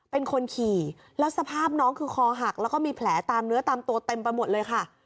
เป็นคนขี่แล้วสภาพน้องคือคอหักแล้วก็มีแผลตามเนื้อตามตัวเต็มไปหมดเลยค่ะ